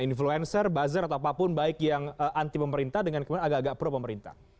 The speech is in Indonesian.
influencer buzzer atau apapun baik yang anti pemerintah dengan kemudian agak agak pro pemerintah